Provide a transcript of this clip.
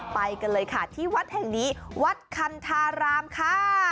ไปกันเลยค่ะที่วัดแห่งนี้วัดคันธารามค่ะ